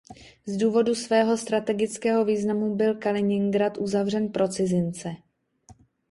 Z důvodu svého strategického významu byl Kaliningrad uzavřen pro cizince.